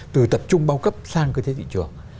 từ tập trung bao cấp sang cái thế thị trường